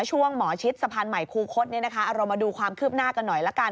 ช่วงหมอชิดสะพานใหม่คูคศเอาเรามาดูความคืบหน้ากันหน่อยละกัน